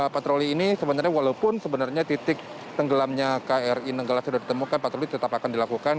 patroli ini sebenarnya walaupun sebenarnya titik tenggelamnya kri nenggala sudah ditemukan patroli tetap akan dilakukan